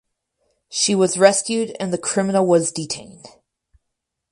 She was rescued and the criminal was detained.